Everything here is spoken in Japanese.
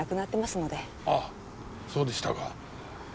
あっそうでしたか。